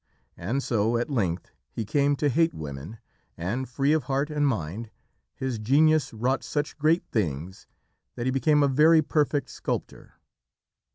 And so at length he came to hate women, and, free of heart and mind, his genius wrought such great things that he became a very perfect sculptor.